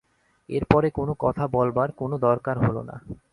এর পরে কোনো কথা বলবার কোনো দরকার হল না।